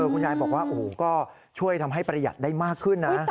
คุณยายบอกว่าโอ้โหก็ช่วยทำให้ประหยัดได้มากขึ้นนะ